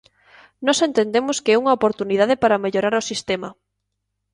Nós entendemos que é unha oportunidade para mellorar o sistema.